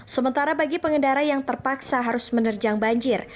sementara bagi pengendara yang terpaksa harus menerjang banjir